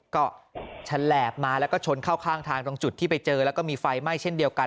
ก็ฉลาบมาแล้วก็ชนเข้าข้างทางตรงจุดที่ไปเจอแล้วก็มีไฟไหม้เช่นเดียวกัน